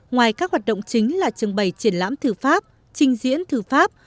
ngoài các hoạt động chính là trưng bày triển lãm thư pháp trình diễn thư pháp